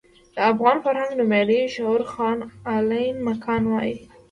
د افغان فرهنګ نومیالی شعور خان علين مکان وايي.